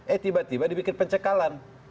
eh tiba tiba dibikin pencekalan